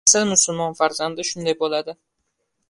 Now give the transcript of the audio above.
— Asl musulmon farzandi shunday bo‘ladi!